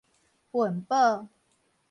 份保